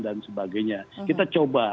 dan sebagainya kita coba